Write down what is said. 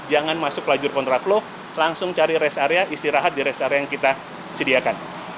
jangan masuk lajur kontraflow langsung cari rest area istirahat di rest area yang kita sediakan